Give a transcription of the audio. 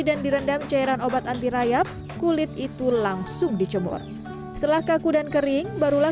dan direndam cairan obat anti rayap kulit itu langsung dicemor setelah kaku dan kering barulah